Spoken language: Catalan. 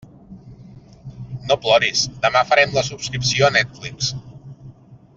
No ploris, demà farem la subscripció a Netflix.